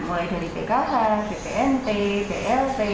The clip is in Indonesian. mulai dari pkh bpnt blt